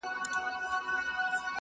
نه مو غوښي پخوي څوک په ځولیو -